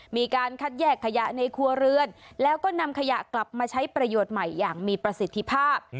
มีการคัดแยกขยะในครัวเรือนแล้วก็นำขยะกลับมาใช้ประโยชน์ใหม่อย่างมีประสิทธิภาพ